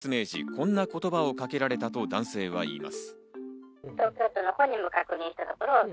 この説明時、こんな言葉をかけられたと男性は言います。